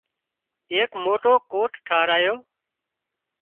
ايڪ موٽو ڪوٽ ٽاهرايو